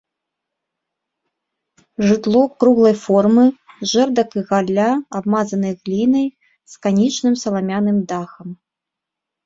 Жытло круглай формы, з жэрдак і галля, абмазанай глінай, з канічным саламяным дахам.